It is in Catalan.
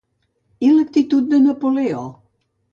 I l'actitud de Napoleó?